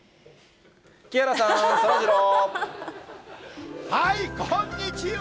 木原さん、そらジロー。